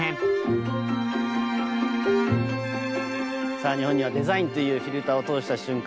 さあ日本にはデザインというフィルターを通した瞬間